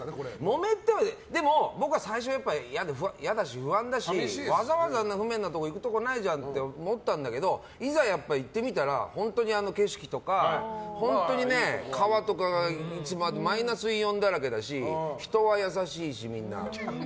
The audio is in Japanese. もめてはでも僕は最初はやっぱり嫌だし不安だし、わざわざ不便なところ行くことないじゃんって思ったんだけどいざ行ってみたら本当に景色とか川とかマイナスイオンだらけだし人は優しいし、みんな。